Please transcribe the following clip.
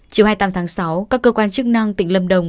chiều hai mươi tám tháng sáu các cơ quan chức năng tỉnh lâm đồng